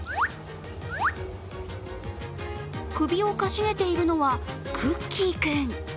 首をかしげているのはクッキー君。